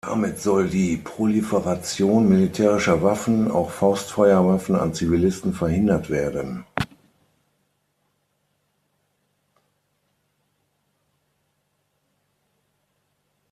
Damit soll die Proliferation militärischer Waffen, auch Faustfeuerwaffen, an Zivilisten verhindert werden.